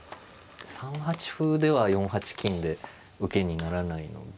３八歩では４八金で受けにならないので。